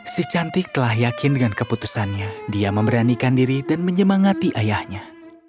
si cantik telah yakin dengan keputusannya dia memberanikan diri dan menyemangati ayahnya